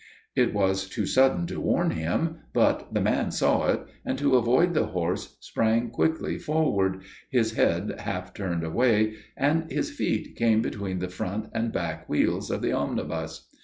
It was too sudden to warn him, but the man saw it, and to avoid the horse sprang quickly forward, his head half turned away, and his feet came between the front and back wheels of the omnibus.